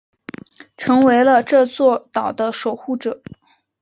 成为了这座岛的守护者。